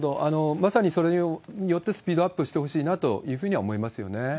まさにそれによってスピードアップしてほしいなというふうには思いますよね。